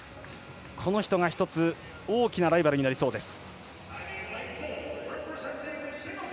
この人が１つ大きなライバルになりそうです。